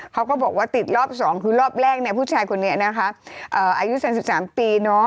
เขาก็บอกว่าติดรอบ๒คือรอบแรกผู้ชายคนนี้นะคะอายุ๓๓ปี